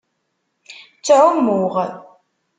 Ttɛummuɣ.